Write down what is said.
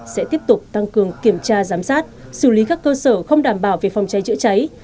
sẽ tiếp tục tăng cường kiểm tra giám sát xử lý các cơ sở không đảm bảo về phòng cháy chữa cháy